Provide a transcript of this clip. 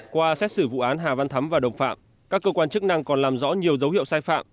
qua xét xử vụ án hà văn thắm và đồng phạm các cơ quan chức năng còn làm rõ nhiều dấu hiệu sai phạm